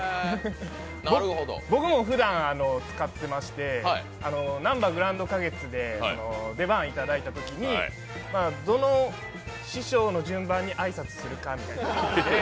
僕もふだん使ってまして、なんばグランド花月で出番いただいたときに、どの師匠の順番に挨拶するかみたいな。